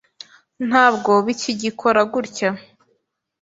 Ntabwo bakigikora gutya.